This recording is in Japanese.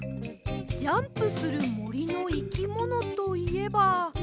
ジャンプするもりのいきものといえば。